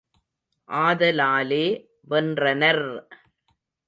ஆத லாலே வென்றனர்!